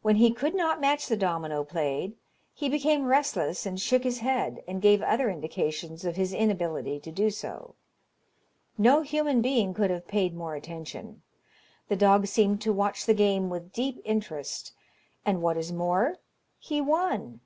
When he could not match the domino played, he became restless and shook his head, and gave other indications of his inability to do so. No human being could have paid more attention. The dog seemed to watch the game with deep interest, and what is more, he won.